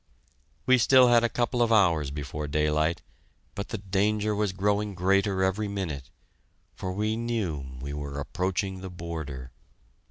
We still had a couple of hours before daylight, but the danger was growing greater every minute, for we knew we were approaching the border.